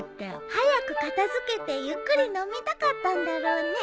早く片付けてゆっくり飲みたかったんだろうね。